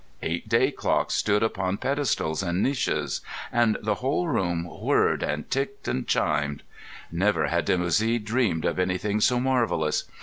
Eight day clocks stood upon pedestals and niches; and the whole room whirred, and ticked, and chimed; never had Dimoussi dreamed of anything so marvellous.